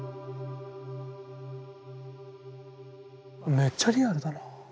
めっちゃリアルだな。